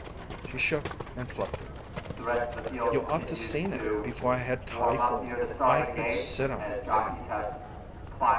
She shook and fluffed it. "You ought to seen it before I had typhoid. I could sit on it then."